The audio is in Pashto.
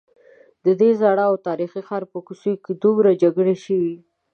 ددې زاړه او تاریخي ښار په کوڅو کې دومره جګړې شوي.